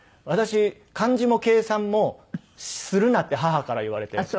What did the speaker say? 私漢字も計算もするなって母から言われて。